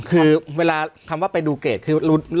คือเวลาคำว่าไปดูเกรดคือ